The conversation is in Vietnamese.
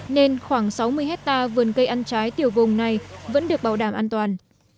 nên khoảng sáu mươi hectare vườn cây ăn trái tiểu vùng này vẫn được bảo đảm an toàn